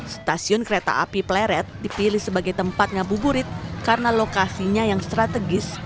stasiun kereta api pleret dipilih sebagai tempat ngabuburit karena lokasinya yang strategis